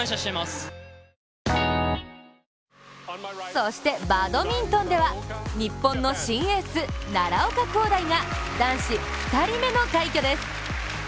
そして、バドミントンでは日本の新エース、奈良岡功大が男子２人目の快挙です。